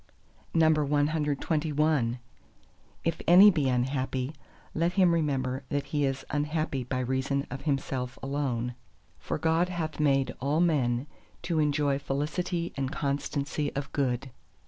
CXXII If any be unhappy, let him remember that he is unhappy by reason of himself alone. For God hath made all men to enjoy felicity and constancy of good.